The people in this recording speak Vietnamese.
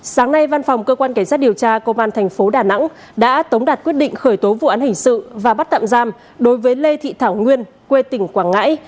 sáng nay văn phòng cơ quan cảnh sát điều tra công an thành phố đà nẵng đã tống đạt quyết định khởi tố vụ án hình sự và bắt tạm giam đối với lê thị thảo nguyên quê tỉnh quảng ngãi